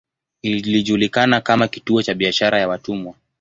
Ilijulikana kama kituo cha biashara ya watumwa.